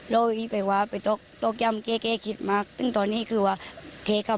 โดยแย่ที่ต้องอย่ามเก๊คิดมาก